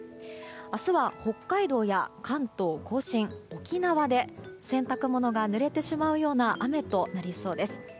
明日は北海道や関東・甲信沖縄で洗濯物がぬれてしまうような雨となりそうです。